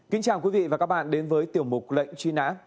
kính chào quý vị và các bạn đến với tiểu mục lệnh truy nã